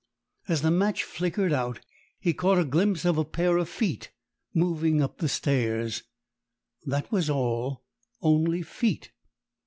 As the match flickered out he caught a glimpse of a pair of feet moving up the stairs; that was all only feet.